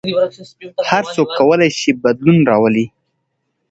هر څوک کولای شي بدلون راولي.